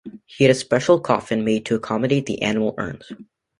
He had a special coffin made to accommodate the animal urns.